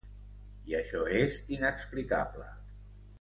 I això és inexplicable.